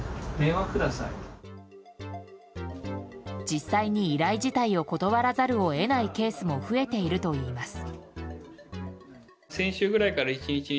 実際に、依頼自体を断らざるを得ないケースも増えているといいます。